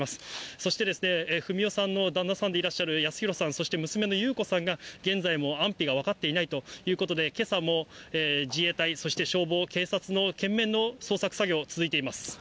そして文代さんの旦那さんでいらっしゃる保啓さん、そして娘の優子さんが現在も安否が分かっていないということで、けさも自衛隊、そして消防、警察の懸命の捜索作業、続いています。